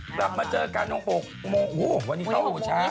กลับมาเจอกันทั้งหกโมงโอ้ววันนี้เข้าหกช้า